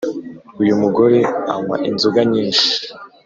Uyumugore anywa inzoga nyinshi